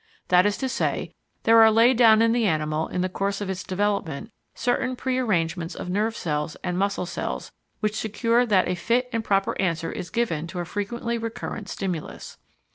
That is to say, there are laid down in the animal in the course of its development certain pre arrangements of nerve cells and muscle cells which secure that a fit and proper answer is given to a frequently recurrent stimulus.